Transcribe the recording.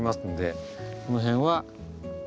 この辺は。